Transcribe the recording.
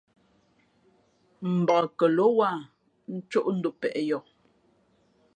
Mbak kαlō wāha ncōʼ dom pēʼ yoh.